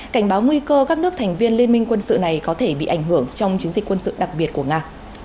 cảnh báo nguy cơ các nước thành viên liên minh quân sự này có thể bị ảnh hưởng trong chiến dịch quân sự đặc biệt của nga